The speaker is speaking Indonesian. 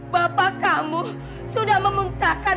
bapak kamu sudah memuntahkan